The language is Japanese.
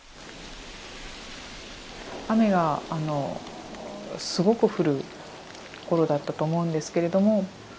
雨がすごく降る頃だったと思うんですけれども。